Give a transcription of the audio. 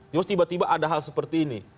terus tiba tiba ada hal seperti ini